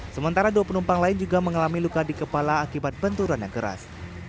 sementara dua penumpang lain juga mengalami luka di kepala akibat benturan yang keras